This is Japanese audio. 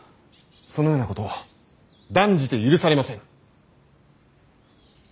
そのようなこと断じて許されません。